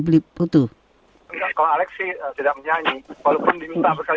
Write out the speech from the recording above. kalau alex sih tidak menyanyi